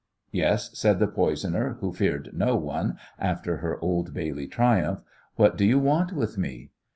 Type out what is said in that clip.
"Yes," said the poisoner, who feared no one after her Old Bailey triumph. "What do you want with me?"